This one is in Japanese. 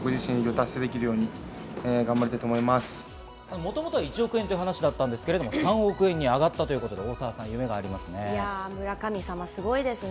もともとは１億円という話だったんですけど、３億円に上がったということで大沢さん、夢がありますね。